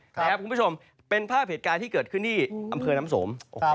คุณผู้ชมเป็นภาพเหตุการณ์ที่เกิดขึ้นที่อำเภอน้ำสม